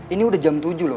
ini udah jam tujuh loh